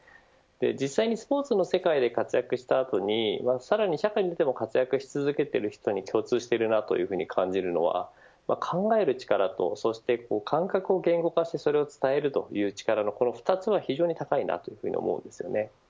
実際にスポーツの世界で活躍した後にさらに社会に出ても活躍し続けている人に共通しているなというふうに感じるのは考える力とそして感覚を言語化してそれを伝えるという力の２つが非常に高いなと思うんですよね。